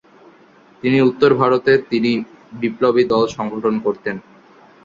তিনি উত্তর ভারতে তিনি বিপ্লবী দল সংগঠন করতেন।